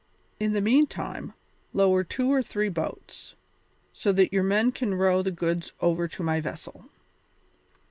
In the meantime, lower two or three boats, so that your men can row the goods over to my vessel."